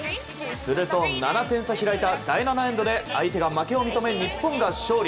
すると、７点差開いた第７エンドで相手が負けを認め、日本が勝利。